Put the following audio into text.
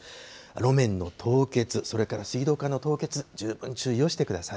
路面の凍結、それから水道管の凍結、十分注意をしてください。